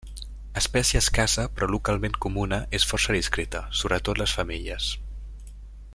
Espècie escassa però localment comuna, és força discreta, sobretot les femelles.